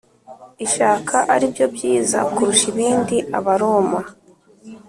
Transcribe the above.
ishaka ari byo byiza kurusha ibindi Abaroma